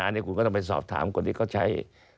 อันเนี่ยคุณก็นำไปสอบถามคนที่ก็ใช้